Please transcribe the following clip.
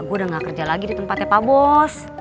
gue udah gak kerja lagi di tempatnya pak bos